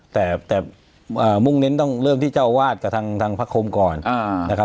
แต่มุ่งเน้นต้องเริ่มที่เจ้าวาดกับทางพระคมก่อนนะครับ